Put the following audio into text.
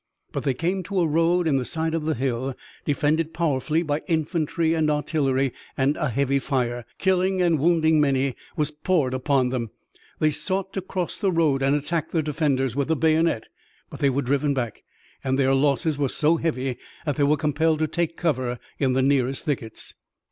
But they came to a road in the side of the hill defended powerfully by infantry and artillery, and a heavy fire, killing and wounding many, was poured upon them. They sought to cross the road and attack the defenders with the bayonet, but they were driven back and their losses were so heavy that they were compelled to take cover in the nearest thickets.